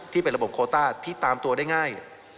ที่เป็นระบบโคต้าที่ตามตัวได้ง่าย